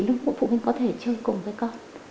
lúc phụ huynh có thể chơi cùng với con